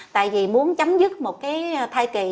tại vì muốn chấm dứt một cái thai kỳ